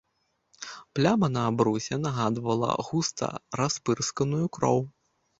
Пляма на абрусе нагадвала густа распырсканую кроў.